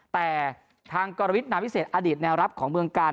แต่ทางกรวิทย์ด่ามันวิเศษวิวประดิษฐ์ในแลบของเมืองการ